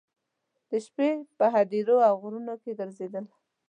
د شپې په هدیرو او غرونو کې ګرځېدل.